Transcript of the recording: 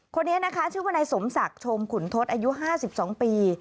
คนนี้นะคะชื่อวนายสมศักดิ์ชมขุนทศอายุ๕๒ปี